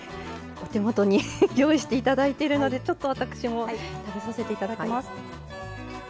お手元に用意して頂いてるのでちょっと私も食べさせて頂きます。